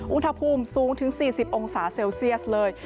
อุณหภูมิสูงถึง๔๐องศาเซลเซียสเลย